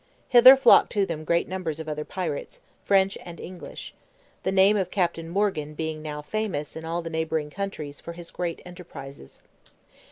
Hither flocked to them great numbers of other pirates, French and English; the name of Captain Morgan being now famous in all the neighbouring countries for his great enterprises.